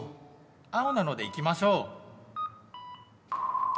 青なので行きましょう。